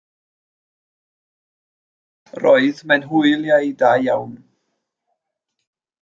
Roedd mewn hwyliau da iawn.